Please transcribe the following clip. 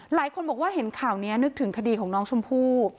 หลายคนบอกว่าเห็นข่าวนี้นึกถึงคดีของน้องชมพู่